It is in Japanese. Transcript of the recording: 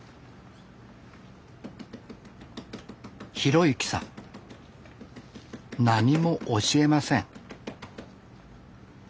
浩之さん何も教えません。